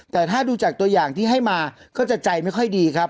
แต่ถ้าดูจากตัวอย่างที่ให้มาก็จะใจไม่ค่อยดีครับ